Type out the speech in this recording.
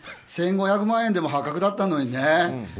１５００万円でも破格だったのにね。